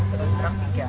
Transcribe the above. terus terang tiga